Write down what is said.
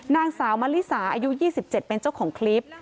นางสาวมะลิสาอายุ๒๗เป็นเจ้าของคลิป